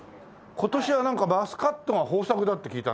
今年はなんかマスカットが豊作だって聞いたんだけど。